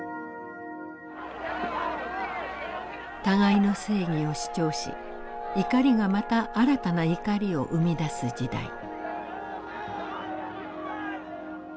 互いの正義を主張し「怒り」がまた新たな「怒り」を生み出す時代。